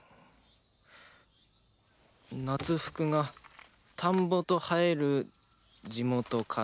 夏服が田んぼと映える地元かな。